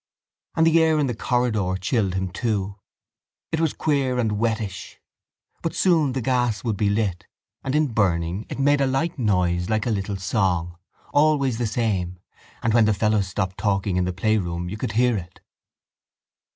And the air in the corridor chilled him too. It was queer and wettish. But soon the gas would be lit and in burning it made a light noise like a little song. Always the same: and when the fellows stopped talking in the playroom you could hear it.